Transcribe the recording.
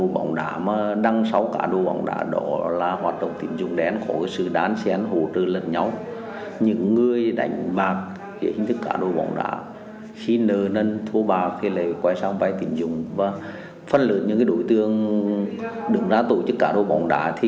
bên rõ tín dụng đen vẫn đang hoạt động